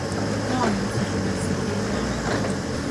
Kā jums ar veselībām?